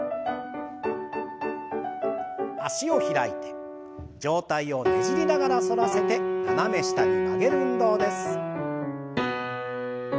脚を開いて上体をねじりながら反らせて斜め下に曲げる運動です。